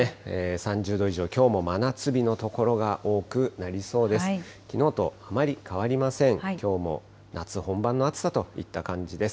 ３０度以上、きょうも真夏日の所が多くなりそうです。